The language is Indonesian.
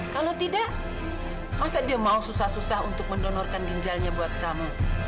kalau tidak masa dia mau susah susah untuk mendonorkan ginjalnya buat kamu